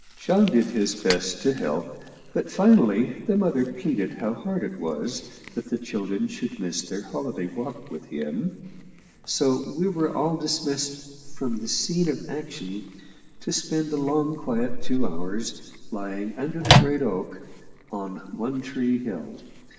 John did his best to help, but finally the mother pleaded how hard it was that the children should miss their holiday walk with him, so we were all dismissed from the scene of action, to spend a long, quiet two hours, lying under the great oak on One Tree Hill.